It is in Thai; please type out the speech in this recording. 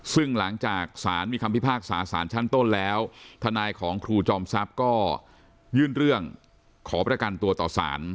ซึ่งหลังจากสารมีคำพิพากษาสารชั้นต้นแล้วทนายของครูจอมทรัพย์ก็ยื่นเรื่องขอประกันตัวต่อสาร